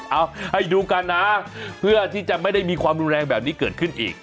เอาให้ดูกันนะเพื่อที่จะไม่ได้มีความรุนแรงแบบนี้เกิดขึ้นอีก